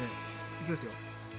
いきますよ。